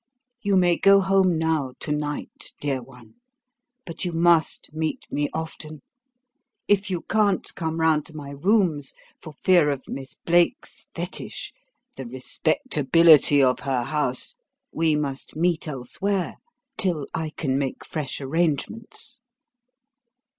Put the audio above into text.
You may go home now to night, dear one; but you must meet me often. If you can't come round to my rooms for fear of Miss Blake's fetich, the respectability of her house we must meet elsewhere, till I can make fresh arrangements."